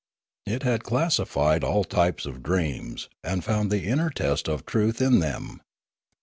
It had classified all types of dreams, and found the inner test of truth in them.